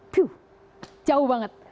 tuh jauh banget